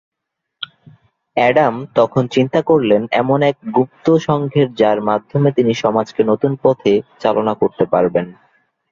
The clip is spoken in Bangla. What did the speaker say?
অ্যাডাম তখন চিন্তা করলেন এমন এক গুপ্ত সংঘের যার মাধ্যমে তিনি সমাজকে নতুন পথে চালনা করতে পারবেন।